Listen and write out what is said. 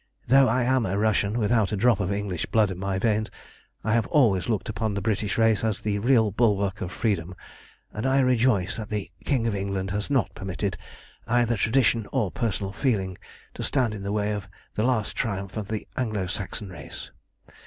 Though I am a Russian without a drop of English blood in my veins, I have always looked upon the British race as the real bulwark of freedom, and I rejoice that the King of England has not permitted either tradition or personal feeling to stand in the way of the last triumph of the Anglo Saxon race.